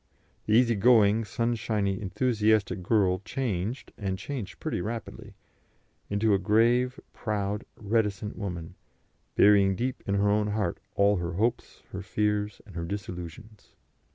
The easy going, sunshiny, enthusiastic girl changed and changed pretty rapidly into a grave, proud, reticent woman, burying deep in her own heart all her hopes, her fears, and her disillusions.